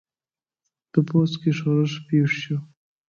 په پوځ کې ښورښ پېښ شو.